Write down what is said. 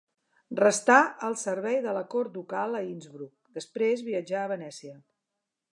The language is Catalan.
Restà al servei de la cort ducal a Innsbruck; després viatjà a Venècia.